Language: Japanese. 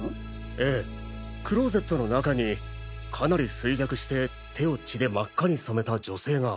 ええクローゼットの中にかなり衰弱して手を血で真っ赤に染めた女性が。